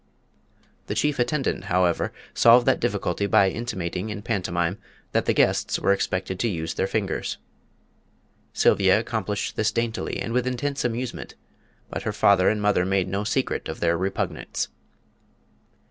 The chief attendant, however, solved that difficulty by intimating in pantomime that the guests were expected to use their fingers. Sylvia accomplished this daintily and with intense amusement, but her father and mother made no secret of their repugnance.